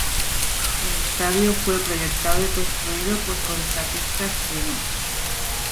El estadio fue proyectado y construido por contratistas chinos.